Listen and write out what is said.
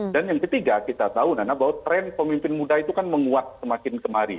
dan yang ketiga kita tahu nana bahwa tren pemimpin muda itu kan menguat semakin kemari